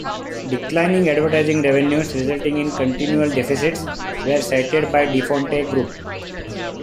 Declining advertising revenues resulting in continual deficits were cited by DeFontes Group.